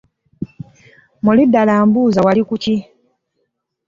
Muli ddala mbuuza wali kuki?